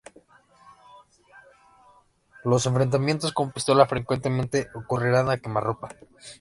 Los enfrentamientos con pistola frecuentemente ocurrían a quemarropa.